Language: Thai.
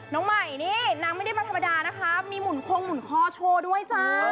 น้องใหม่นี่นางไม่ได้มาธรรมดานะคะมีหุ่นคงหมุนคอโชว์ด้วยจ้า